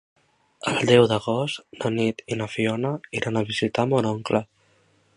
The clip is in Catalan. El deu d'agost na Nit i na Fiona iran a visitar mon oncle.